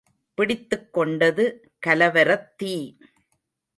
பிடித்துக் கொண்டது கலவரத் தீ!